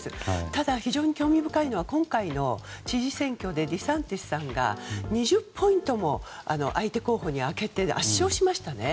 ただ、非常に興味深いのは今回の知事選でデサンティスさんが２０ポイントも相手候補に開けて圧勝しましたね。